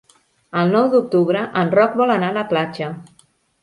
El nou d'octubre en Roc vol anar a la platja.